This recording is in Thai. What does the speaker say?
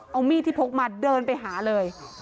เอามีดที่พกมาเดินไปหาเลย